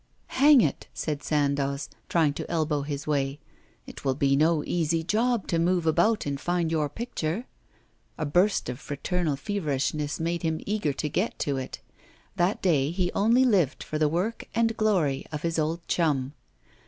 'Hang it!' said Sandoz, trying to elbow his way, 'it will be no easy job to move about and find your picture.' A burst of fraternal feverishness made him eager to get to it. That day he only lived for the work and glory of his old chum.